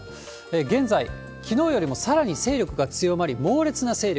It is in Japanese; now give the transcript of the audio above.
現在、きのうよりもさらに勢力が強まり、猛烈な勢力。